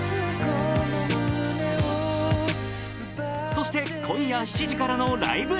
そして今夜７時からの「ライブ！